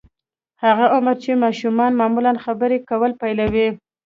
هغه عمر چې ماشومان معمولاً خبرې کول پيلوي.